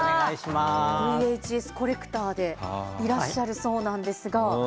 ＶＨＳコレクターでいらっしゃるそうなんですが。